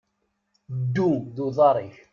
Ddu d uḍaṛ-ik.